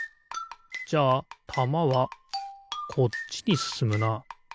じゃあたまはこっちにすすむな。